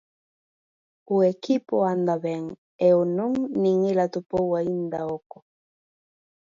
O equipo anda ben e o non nin el atopou aínda oco.